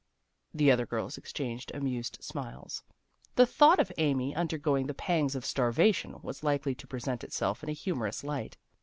The other girls exchanged amused smiles. The thought of Amy, undergoing the pangs of starvation, was likely to present itself in a humorous light.